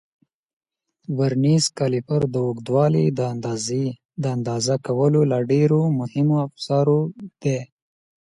ورنیز کالیپر د اوږدوالي د اندازه کولو له ډېرو مهمو افزارو دی.